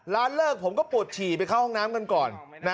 เลิกผมก็ปวดฉี่ไปเข้าห้องน้ำกันก่อน